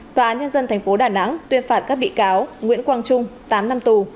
tòa án nhân dân tp đà nẵng tuyên phạt các bị cáo nguyễn quang trung tám năm tù